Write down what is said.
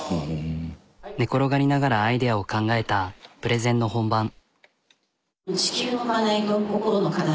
寝転がりながらアイデアを考えたプレゼンの本番。